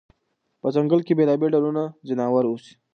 په ځنګل کې بېلابېل ډول ځناور اوسي.